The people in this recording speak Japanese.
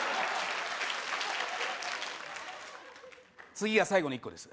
次が最後の１個です